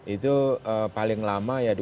itu paling lama ya